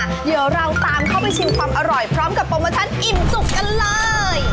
เดี๋ยวเราตามเข้าไปชิมความอร่อยพร้อมกับโปรโมชั่นอิ่มจุกกันเลย